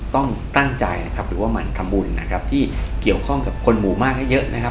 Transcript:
ต้องตั้งใจหรือว่ามันทำบุญที่เกี่ยวข้องกับคนหมู่มากให้เยอะ